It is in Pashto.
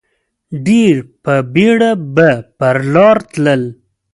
ډېر په بېړه به پر لار تلل.